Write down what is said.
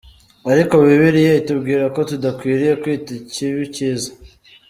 Ariko Bibiliya itubwira ko tudakwiriye kwita ikibi icyiza.